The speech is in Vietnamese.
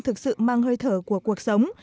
thực sự mang hơi thở của cuộc sống